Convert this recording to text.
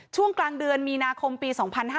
ช่วงกลางเดือนมีนาคมปี๒๕๕๙